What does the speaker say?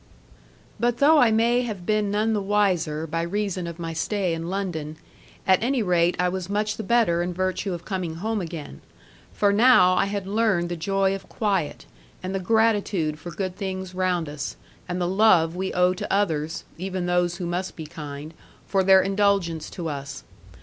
But though I may have been none the wiser by reason of my stay in London, at any rate I was much the better in virtue of coming home again. For now I had learned the joy of quiet, and the gratitude for good things round us, and the love we owe to others (even those who must be kind), for their indulgence to us.